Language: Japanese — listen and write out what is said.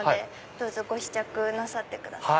どうぞご試着なさってください。